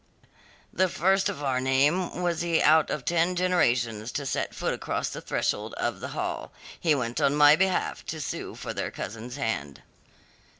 The first of our name was he out of ten generations to set foot across the threshold of the hall; he went on my behalf to sue for their cousin's hand.